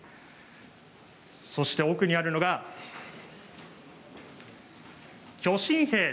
そして奥にあるのが「巨神兵